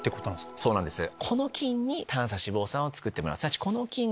そうなんです。